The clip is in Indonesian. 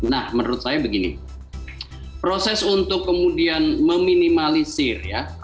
nah menurut saya begini proses untuk kemudian meminimalisir ya